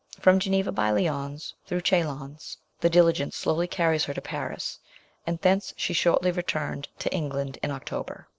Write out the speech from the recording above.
From Geneva by Lyons, through Chalons, the diligence slowly carries her to Paris, and thence she shortly returned to England in October.